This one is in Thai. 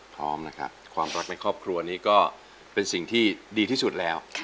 พร้อมนะครับความรักในครอบครัวนี้ก็เป็นสิ่งที่ดีที่สุดแล้ว